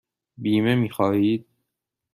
بیمه می خواهید؟